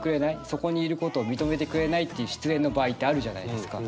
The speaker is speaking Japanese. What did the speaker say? そこにいることを認めてくれないっていう失恋の場合ってあるじゃないですか。